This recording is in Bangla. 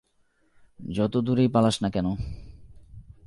যতোদূরেই পালাস না কেন।